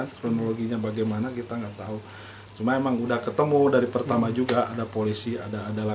kronologinya bagaimana kita enggak tahu cuma emang udah ketemu dari pertama juga ada polisi ada adalah